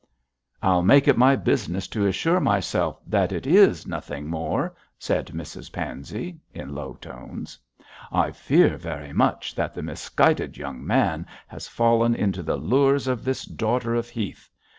'I'll make it my business to assure myself that it is nothing more,' said Mrs Pansey, in low tones. 'I fear very much that the misguided young man has fallen into the lures of this daughter of Heth.